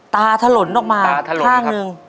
ตาถลนออกมาข้างหนึ่ง